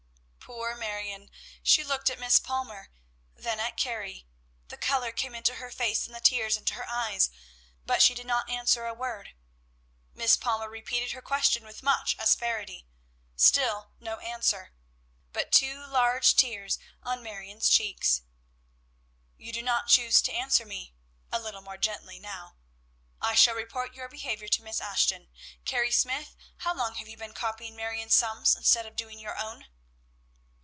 Poor Marion! She looked at Miss Palmer, then at Carrie; the color came into her face, and the tears into her eyes, but she did not answer a word. Miss Palmer repeated her question with much asperity. Still no answer, but two large tears on Marion's cheeks. "You do not choose to answer me" (a little more gently now): "I shall report your behavior to Miss Ashton. Carrie Smyth, how long have you been copying Marion's sums, instead of doing your own?"